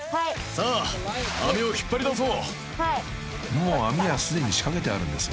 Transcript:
［もう網はすでに仕掛けてあるんですね］